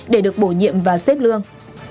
để được bổ nhiệm và xếp lương